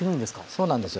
そうなんですよ。